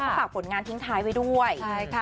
ฝากผลงานทิ้งท้ายไปด้วย